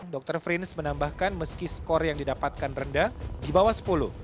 dr frins menambahkan meski skor yang didapatkan rendah di bawah sepuluh